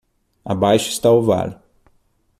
Abaixo está o vale